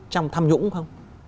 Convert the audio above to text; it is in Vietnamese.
trong tham nhũng không